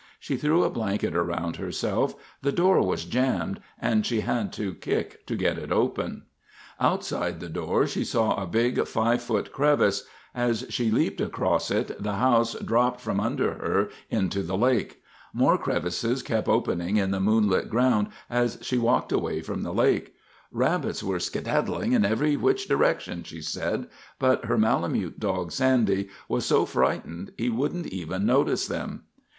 She threw a blanket around herself. The door was jammed, and she had to kick to get it open. [Illustration: Fleeing a cabin.] Outside the door she saw a big, 5 foot crevice. As she leaped across it, the house dropped from under her into the lake. More crevices kept opening in the moonlit ground as she walked away from the lake. "Rabbits were skedaddling in every which direction," she said, but her Malamute dog, Sandy, was so frightened he wouldn't even notice them.